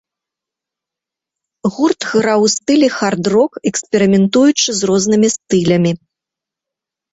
Гурт граў у стылі хард-рок, эксперыментуючы з рознымі стылямі.